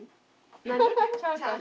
何？